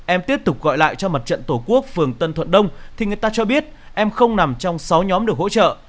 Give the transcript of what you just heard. em tiếp tục gọi lại cho mặt trận tổ quốc phường tân thuận đông thì người ta cho biết em không nằm trong sáu nhóm được hỗ trợ